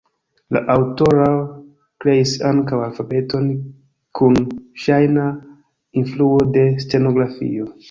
La aŭtoro kreis ankaŭ alfabeton kun ŝajna influo de stenografio.